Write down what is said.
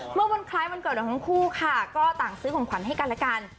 เมื่อวันคล้ายวันเกิดของทั้งคู่ค่ะก็ต่างซื้อของขวัญให้กันและกัน